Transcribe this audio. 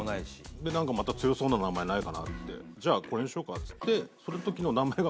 で何かまた強そうな名前ないかなってじゃあこれにしようかってその時の名前が。